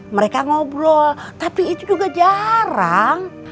mereka ngobrol tapi itu juga jarang